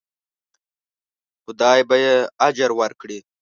خدای به یې اجر ورکړي.